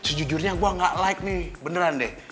sejujurnya gue gak like nih beneran deh